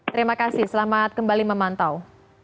terima kasih selamat kembali memantau